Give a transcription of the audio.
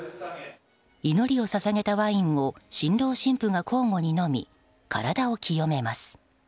祈りを捧げたワインを新郎新婦が交互に飲み、体を清めます。